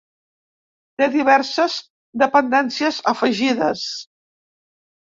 Té diverses dependències afegides.